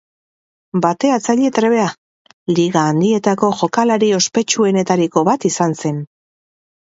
Bateatzaile trebea, Liga Handietako jokalari ospetsuenetariko bat izan zen.